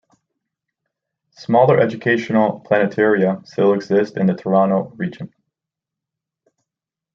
Smaller educational planetaria still exist in the Toronto region.